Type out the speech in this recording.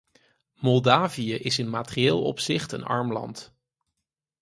Moldavië is in materieel opzicht een arm land.